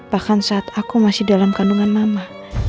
bahkan saat aku masih dalam kandungan mama